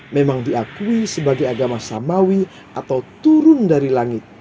memang diakui sebagai agama samawi atau turun dari langit